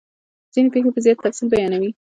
ځیني پیښې په زیات تفصیل بیانوي.